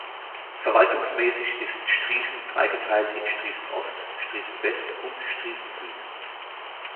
Verwaltungsmäßig ist Striesen dreigeteilt in Striesen-Ost, Striesen-West und Striesen-Süd.